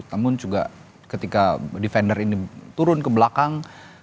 namun juga ketika defender ini turun ke belakang